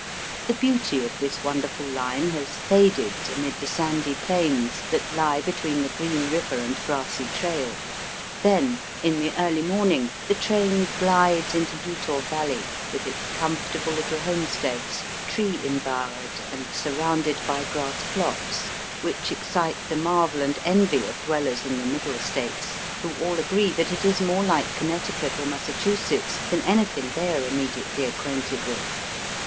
The beauty of this wonderful line has faded amid the sandy plains that lie between the Green Eiver and Grassy Trail. Then in the early morning the train ghdes into Utah Valley, with its comfortable little homesteads, tree embowered and sur rounded by grass plots, which excite the marvel and envy of dwellers in the middle States, who all agree that it is more like Connecticut or Massachusetts than anything they are immediately acquainted with.